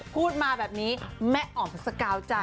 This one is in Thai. พูดมาแบบนี้แม่อ๋อมสกาวจ้ะ